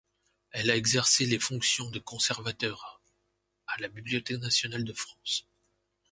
Elle a exercé les fonctions de Conservateur à la Bibliothèque nationale de France.